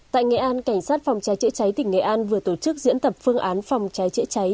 tại nghệ an cảnh sát phòng cháy chữa cháy tp hcm vừa tổ chức diễn tập phương án phòng cháy chữa cháy